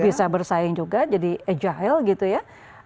bisa bersaing juga jadi agile gitu ya